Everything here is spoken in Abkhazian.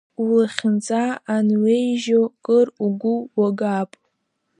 Улахьынҵа ануеижьо, кыр угәы уагап.